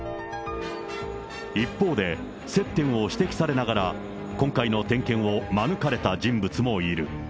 一方で、接点を指摘されながら、今回の点検を免れた人物もいる。